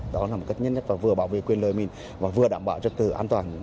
đó là một cách nhanh nhất và vừa bảo vệ quyền lợi mình và vừa đảm bảo trật tự an toàn